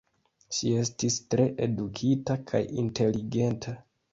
Ŝi estis tre edukita kaj inteligenta.